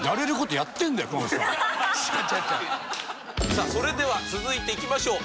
さあそれでは続いていきましょう。